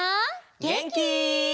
げんき？